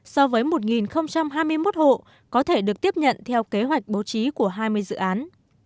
so với một hai mươi một hộ có thể được tiếp nhận theo kế hoạch bố trí của hai mươi dự án